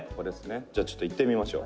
「じゃあ、ちょっといってみましょう」